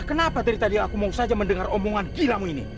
kenapa tadi aku mau saja mendengar omongan kilamu ini